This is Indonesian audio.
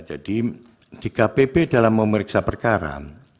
jadi dkpp dalam memeriksa perkara